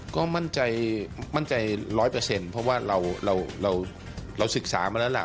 ก็มั่นใจมั่นใจ๑๐๐เพราะว่าเราศึกษามาแล้วล่ะ